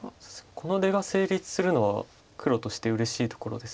この出が成立するのは黒としてうれしいところです。